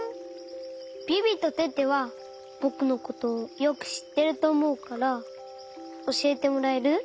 ビビとテテはぼくのことよくしってるとおもうからおしえてもらえる？